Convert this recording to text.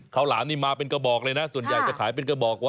หลามนี่มาเป็นกระบอกเลยนะส่วนใหญ่จะขายเป็นกระบอกไว้